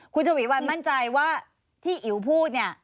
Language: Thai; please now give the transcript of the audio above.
คุณฉวีวันมั่นใจว่าที่อิ๋วพูดเนี่ย